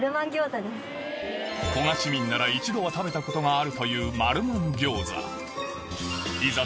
古河市民なら一度は食べたことがあるといういざ